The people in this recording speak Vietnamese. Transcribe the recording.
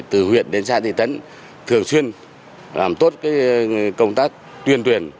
từ huyện đến xã tây tấn thường xuyên làm tốt công tác tuyên truyền